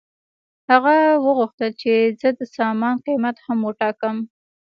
هغه وغوښتل چې زه د سامان قیمت هم وټاکم